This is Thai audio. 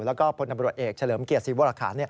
แล้วก็ผู้นำรวดเอกเฉลิมเกียรติศีลโวราคา